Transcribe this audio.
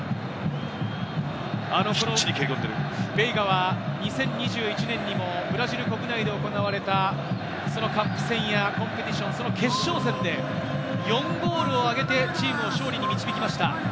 あの頃ベイガは２０２１年にもブラジル国内で行われたそのカップ戦や、コンペティション、その決勝戦で４ゴールをあげて、チームを勝利に導きました。